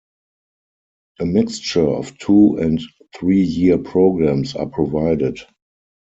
A mixture of two- and three-year programs are provided.